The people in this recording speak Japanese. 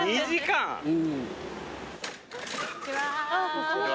こんにちは。